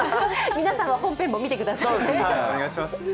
皆さんは本編も見てください。